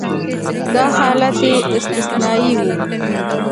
دا حالت یې استثنایي و.